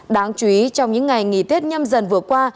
đáng chú ý trong những ngày nghỉ tết nhâm dần vừa qua